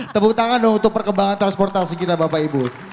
tepuk tangan dong untuk perkembangan transportasi kita bapak ibu